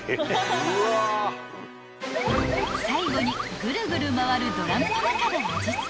［最後にグルグル回るドラムの中で］